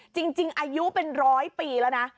จริงอายุเป็นร้อยปีแล้วนะ